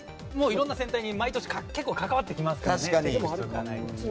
いろんな戦隊に関わってきますからね。